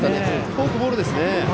フォークボールですね。